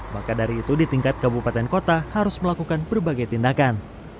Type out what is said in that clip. maka dari itu di tingkat kabupaten kota harus melakukan berbagai tindakan